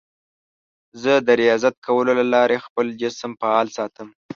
زه د ریاضت کولو له لارې خپل جسم فعال ساتم.